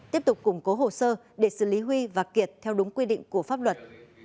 tiếp tục củng cố hồ sơ để xử lý huy và kiệt theo đúng quy định của pháp luật